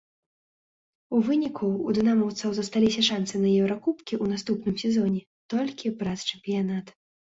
У выніку ў дынамаўцаў засталіся шанцы на еўракубкі ў наступным сезоне толькі праз чэмпіянат.